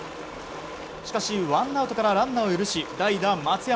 しかし、ワンアウトからランナーを許し代打、松山。